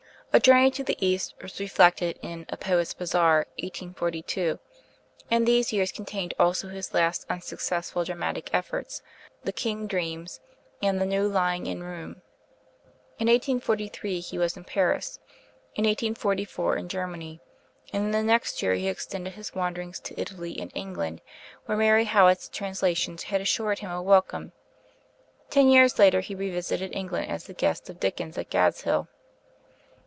A journey to the East was reflected in 'A Poet's Bazaar' (1842); and these years contain also his last unsuccessful dramatic efforts, 'The King Dreams' and 'The New Lying in Room.' In 1843 he was in Paris, in 1844 in Germany, and in the next year he extended his wanderings to Italy and England, where Mary Howitt's translations had assured him a welcome. Ten years later he revisited England as the guest of Dickens at Gadshill.